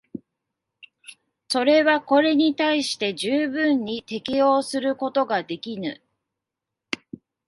それはこれに対して十分に適応することができぬ。